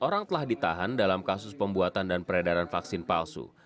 orang telah ditahan dalam kasus pembuatan dan peredaran vaksin palsu